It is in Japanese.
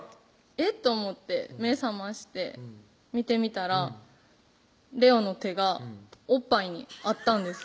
えっ？と思って目覚まして見てみたら玲央の手がおっぱいにあったんです